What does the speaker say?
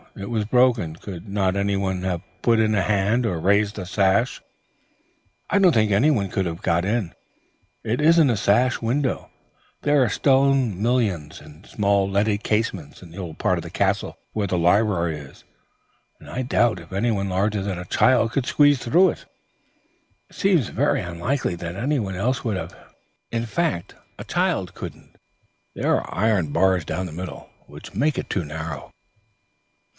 It was broken; could not anyone have put in a hand, or raised the sash?" "I don't think anyone could have got in. It isn't a sash window. There are stone mullions and small leaded casements in the old part of the castle where the library is, and I doubt if anyone larger than a child could squeeze through; in fact, a child couldn't; there are iron bars down the middle, which make it too narrow."